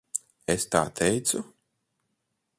Es tā teicu?